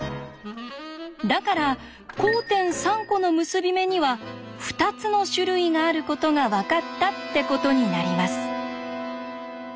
だから交点３コの結び目には２つの種類があることが分かったってことになります。